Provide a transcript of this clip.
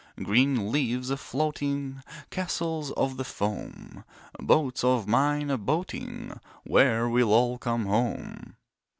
Green leaves a floating, Castles of the foam, Boats of mine a boating— Where will all come home?